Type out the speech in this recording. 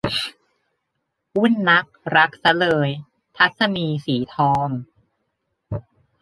วุ่นนักรักซะเลย - ทัศนีย์ สีทอง